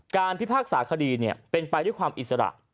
พิพากษาคดีเป็นไปด้วยความอิสระ